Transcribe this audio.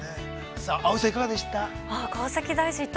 ◆さあ、葵さん、いかがでした？